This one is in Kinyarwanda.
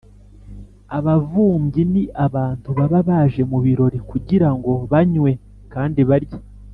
“abavumbyi”: ni abantu baba baje mu birori kugirango nabo banywe kandi barye.